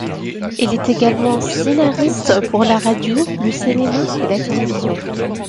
Il est également scénariste pour la radio, le cinéma et la télévision.